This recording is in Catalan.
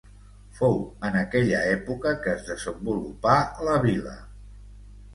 Fou en aquella època que es desenvolupà la vila.